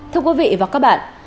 thưa quý vị và các bạn